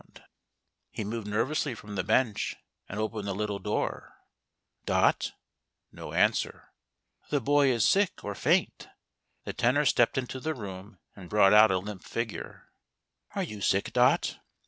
1 6 HOW DOT HEARD "THE MESSIAH." He moved nervously from the bench, and opened the little door. " Dot ?" No answer. " The boy is sick or faint." The Tenor stepped into the room and brought out a limp figure. " Are you sick, Dot